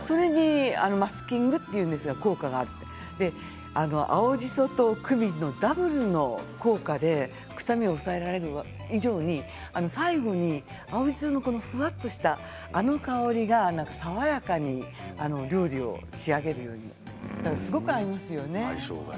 マスキングというんですけれどもそういう効果があって青じそとクミンのダブルの効果で臭みを抑えられる以上に最後に青じそのふわっとしたあの香りが爽やかに料理を仕上げるすごく合いますよね。